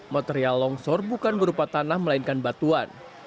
material longsor bukan berupa tanah melainkan batuan